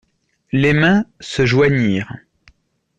Les mains se joignirent.